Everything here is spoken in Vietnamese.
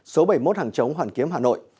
số bảy mươi một hàng chống hoàn kiếm hà nội